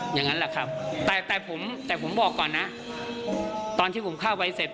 อย่างนั้นแหละครับแต่แต่ผมแต่ผมบอกก่อนนะตอนที่ผมเข้าไปเสร็จ